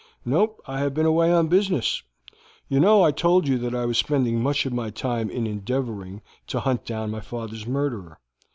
"No, I have been away on business. You know I told you that I was spending much of my time in endeavoring to hunt down my father's murderer.